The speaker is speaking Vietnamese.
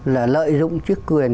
là lợi dụng chiếc quyền